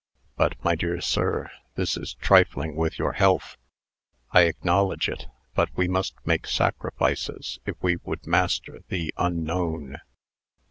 "But, my dear sir, this is trifling with your health." "I acknowledge it. But we must make sacrifices, if we would master the UNKNOWN.